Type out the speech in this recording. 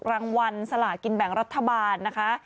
รางวัลสลากินแบ่งรัฐบาลนะคะ